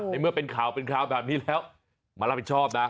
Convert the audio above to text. เมื่อเป็นข่าวเป็นข่าวแบบนี้แล้วมารับผิดชอบนะ